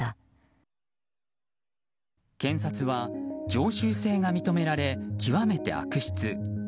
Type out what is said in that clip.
検察は常習性が認められ極めて悪質。